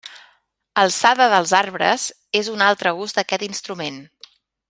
Alçada dels arbres és un altre ús d'aquest instrument.